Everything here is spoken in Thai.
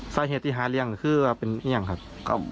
สาเหตุที่หาเลี้ยงคือว่าเป็นเมี่ยงครับ